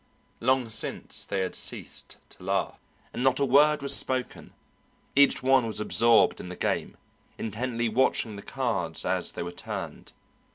Long since they had ceased to laugh, and not a word was spoken; each one was absorbed in the game, intently watching the cards as they were turned.